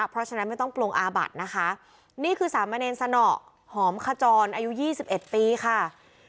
เพราะฉะนั้นไม่ต้องปลงอาบัดนะคะนี่คือสามเณรสนอหอมขจรอายุ๒๑ปีค่ะ